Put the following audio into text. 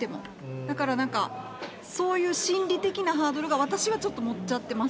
だから、なんか、そういう心理的なハードルが、私はちょっと持っちゃってます。